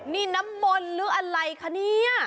นี่น้ำมนต์หรืออะไรคะเนี่ย